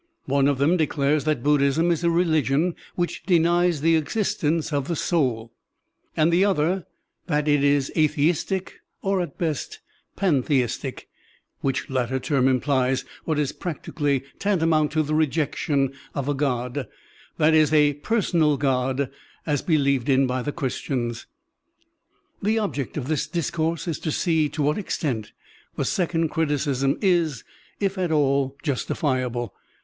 One of them declares that Buddhism is a religion which denies the existence of the sotd, and the other that it is atheistic or at best pantheistic, which latter term implies what is practically tantamount to the rejection of a God, that is, a personal God as believed in by the Christians. The object of this discourse is to see to what extent the second criticism is, if at all, justifiable.